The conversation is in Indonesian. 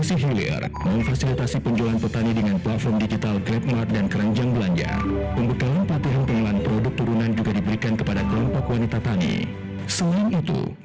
pemilihan inflasi tahun dua ribu dua puluh dua tidak akan berpotensi mengganggu produksi dan distribusi